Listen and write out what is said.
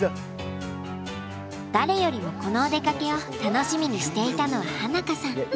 誰よりもこのお出かけを楽しみにしていたのは花香さん。